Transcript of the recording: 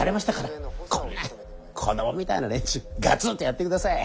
こんな子供みたいな連中ガツンとやってください。